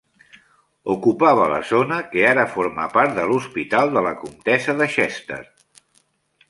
Ocupava la zona que ara forma part de l'Hospital de la Comtessa de Chester.